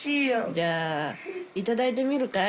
じゃあいただいてみるかい？